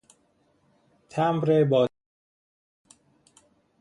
تمبر باطل شده